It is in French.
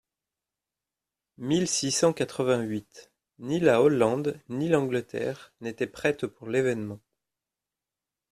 mille six cent quatre-vingt-huit Ni la Hollande, ni l'Angleterre, n'étaient prêtes pour l'événement.